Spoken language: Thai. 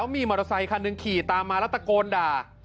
มีมอเตอร์ไซคันหนึ่งขี่ตามมาแล้วตะโกนด่า